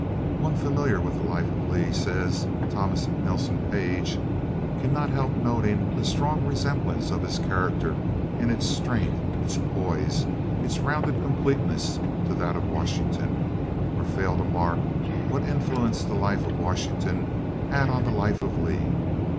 "One familiar with the life of Lee," says Thomas Nelson Page, "cannot help noting the strong resemblance of his character in its strength, its poise, its rounded completeness, to that of Washington; or fail to mark what influence the life of Washington had on the life of Lee.